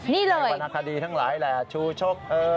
นี่เลยมีพนักคดีทั้งหลายแหละชูชก